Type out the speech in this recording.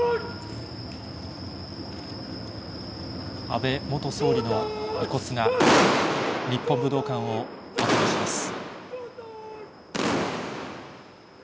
安倍元総理の遺骨が、日本武道館を後にします。